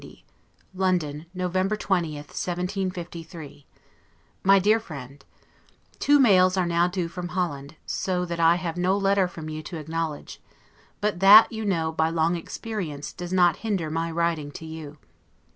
LETTER CXC LONDON, November 20, 1753 MY DEAR FRIEND: Two mails are now due from Holland, so that I have no letter from you to acknowledge; but that, you know, by long experience, does not hinder my writing to you.